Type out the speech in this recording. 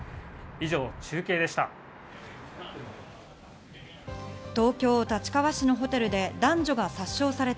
以上、中継でした。